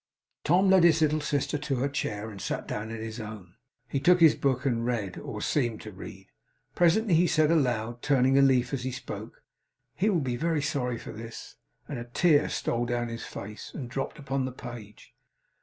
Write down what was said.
Tom led his little sister to her chair, and sat down in his own. He took his book, and read, or seemed to read. Presently he said aloud, turning a leaf as he spoke: 'He will be very sorry for this.' And a tear stole down his face, and dropped upon the page.